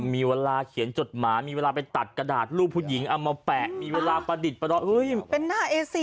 เมาเมาเมาเมาเมาเมาเมา